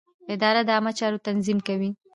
اداره د عامه چارو تنظیم کوي.